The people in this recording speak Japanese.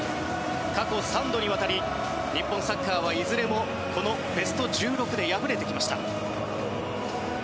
過去３度にわたり日本サッカーはいずれもこのベスト１６で敗れてきました。